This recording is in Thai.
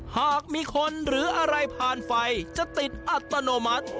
หากมีคนหรืออะไรผ่านไฟจะติดอัตโนมัติ